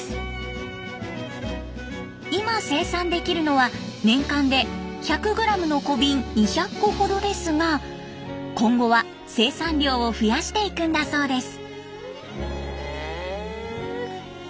今生産できるのは年間で１００グラムの小瓶２００個ほどですが今後は生産量を増やしていくんだそうです。